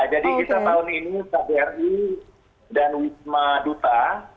jadi kita tahun ini kbri dan wisma duta